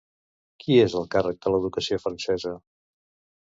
Qui és al càrrec de l'educació francesa?